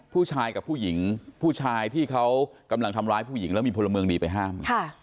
ผู้ชายกับผู้หญิงผู้ชายที่เขากำลังทำร้ายผู้หญิงแล้วมีพลเมืองดีไปห้าม